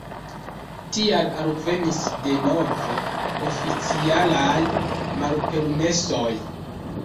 Tial alvenis denove oficialaj malpermesoj.